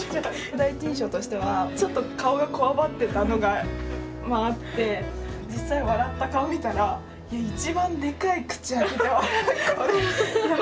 第一印象としてはちょっと顔がこわばってたのもあって実際笑った顔見たら一番でかい口開けて笑う。